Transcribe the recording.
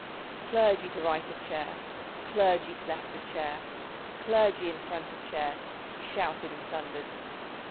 Clergy to right of chair, Clergy to left of chair, Clergy in front of chair, Shouted and thundered